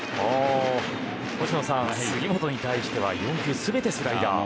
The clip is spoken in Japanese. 星野さん、杉本に対しては４球、全てスライダー。